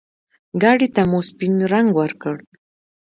ګاډي ته مو سپين رنګ ورکړ.